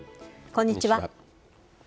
こんにちは。